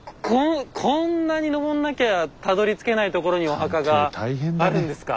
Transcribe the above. こんなに上んなきゃたどりつけないところにお墓があるんですか？